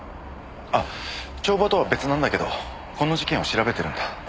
あっ帳場とは別なんだけどこの事件を調べてるんだ。